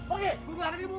oke gua bilangin ibu gua lo